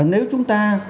nếu chúng ta